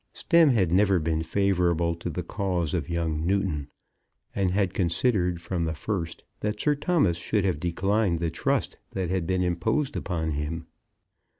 Stemm had never been favourable to the cause of young Newton, and had considered from the first that Sir Thomas should have declined the trust that had been imposed upon him.